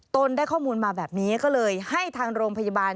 ได้ข้อมูลมาแบบนี้ก็เลยให้ทางโรงพยาบาล